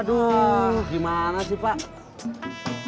terimakasih juga nyonya